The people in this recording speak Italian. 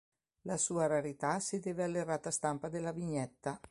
La sua rarità si deve all'errata stampa della vignetta.